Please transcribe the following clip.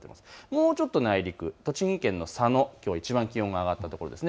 もうちょっと内陸、栃木県の佐野、きょういちばん気温が上がったところです。